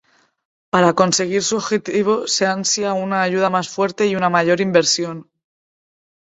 Para conseguir su objetivo se ansia una ayuda más fuerte y una mayor inversión.